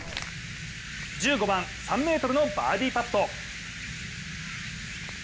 １５番、３ｍのバーディーパット。